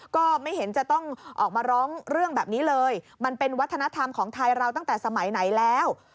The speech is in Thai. ก็ไม่เห็นจะต้องออกมาร้องเรื่องแบบนี้เลยมันเป็นวัฒนธรรมของไทยเราตั้งแต่สมัยไหนแล้ว